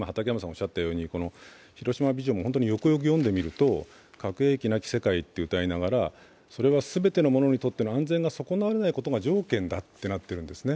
広島ビジョンをよくよく読んでみると、核兵器なき世界とうたいながらそれは全てのものにとっての安全が損なわれないことが条件だとなっているんですね。